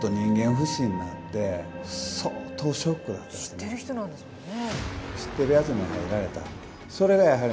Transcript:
知ってる人なんですもんね。